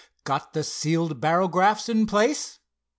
"Got the sealed barographs in place?